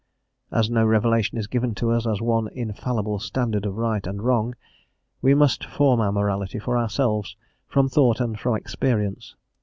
As no revelation is given to us as one "infallible standard of right and wrong," we must form our morality for ourselves from thought and from experience.